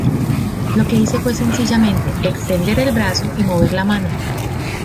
Lo que hice fue sencillamente extender el brazo y mover la mano.